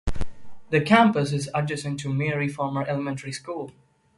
The campus is adjacent to Mary Farmar Elementary School.